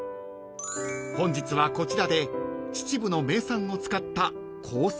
［本日はこちらで秩父の名産を使ったコース